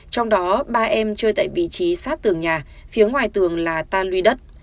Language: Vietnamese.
trong đó ba em chơi tại vị trí sát tường nhà phía ngoài tường là tan luy đất